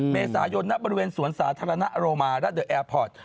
เมษายนณบริเวณสวนสาธารณะโรมารัสเดอร์แอร์พอร์ต